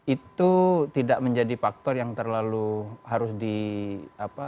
itu tidak menjadi faktor yang terlalu harus di apa